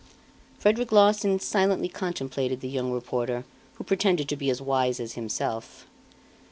Frederic Larsan silently contemplated the young reporter who pretended to be as wise as himself.